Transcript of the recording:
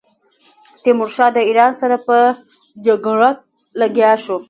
تیمورشاه د ایران سره په جګړه لګیا شو.